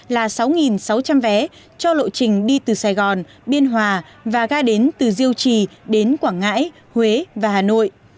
là sáu sáu trăm linh vé cho lộ trình đi từ sài gòn biên hòa và ga đến từ diêu trì đến quảng ngãi huế và hà nội